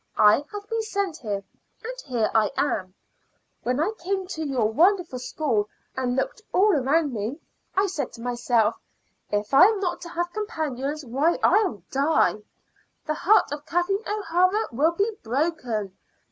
I have been sent here, and here I am. When I came to your wonderful school and looked all around me, I said to myself, 'If I'm not to have companions, why, I'll die; the heart of Kathleen O'Hara will be broken.